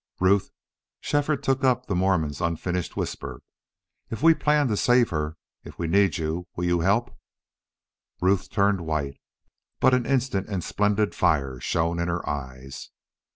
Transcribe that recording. "Ruth" Shefford took up the Mormon's unfinished whisper "if we plan to save her if we need you will you help?" Ruth turned white, but an instant and splendid fire shone in her eyes.